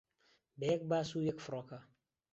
بە یەک باس و یەک فڕۆکە